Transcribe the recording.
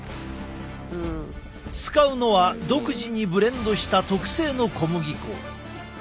使うのは独自にブレンドした特製の小麦粉。